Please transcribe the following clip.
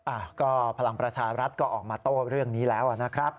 อ่ะก็พลังประชารัฐก็ออกมาโต้เรื่องนี้แล้วนะครับ